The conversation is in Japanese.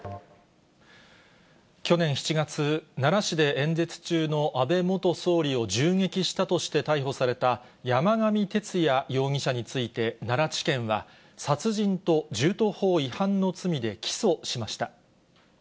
去年７月、奈良市で演説中の安倍元総理を銃撃したとして逮捕された山上徹也容疑者について、奈良地検は、殺人と銃刀法違反の罪で起訴しました。